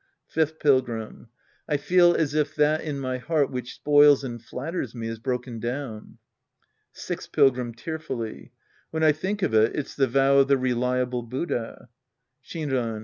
Fifth Pilgrim. I feel as if that in my heart which spoils and flatters me is broken down. Sixth Pilgrim {tearfully). When I think of it, it's the vow of the reliable Buddha. Shinran.